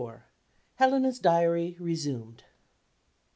HELENA'S DIARY RESUMED.